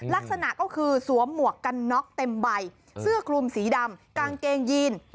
ลักษณะก็คือสวมหมวกกันน็อกเต็มใบเสื้อคลุมสีดำกางเกงยีน